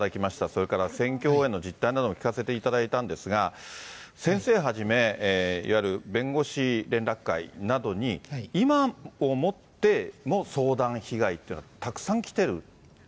それから選挙応援の実態なども聞かせていただいたんですが、先生はじめ、いわゆる弁護士連絡会などに、今をもっても相談被害というのはたくさん来ている。